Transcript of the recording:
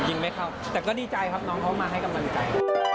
ไม่เข้าแต่ก็ดีใจครับน้องเขามาให้กำลังใจ